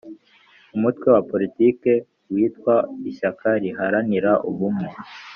Umutwe wa politiki witwa Ishyaka Riharanira Ubumwe